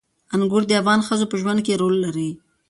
انګور د افغان ښځو په ژوند کې رول لري.